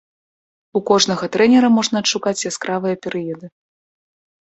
У кожнага трэнера можна адшукаць яскравыя перыяды.